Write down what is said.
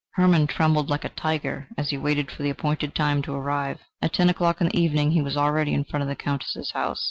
Hermann trembled like a tiger, as he waited for the appointed time to arrive. At ten o'clock in the evening he was already in front of the Countess's house.